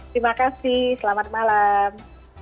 terima kasih selamat malam